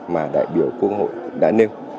mà đại biểu quốc hội đã nêu